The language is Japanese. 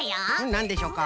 なんでしょうか？